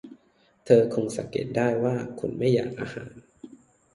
เธอคงสังเกตได้ว่าคุณไม่อยากอาหาร